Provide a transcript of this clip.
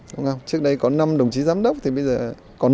đúng không trước đây có năm đồng chí giám đốc thì bây giờ còn